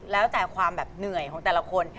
แล้วแต่ความแบบเหนื่อยของแต่ละคน